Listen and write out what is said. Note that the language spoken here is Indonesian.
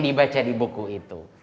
dibaca di buku itu